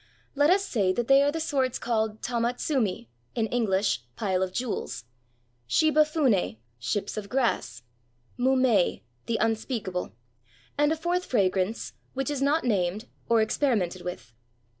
Let us say that they are the sorts called tamatsumi, in English, pile of jewels; shibafune, ships of grass; mumei, the unspeakable; and a fourth fragrance, which is not named or experimented with.